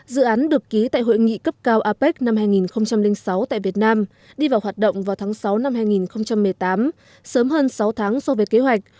dự án được ký tại hội nghị cấp cao apec năm hai nghìn sáu tại việt nam đi vào hoạt động vào tháng sáu năm hai nghìn một mươi tám sớm hơn sáu tháng so với kế hoạch